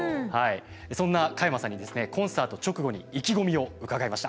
そんな加山さんにですねコンサート直後に意気込みを伺いました。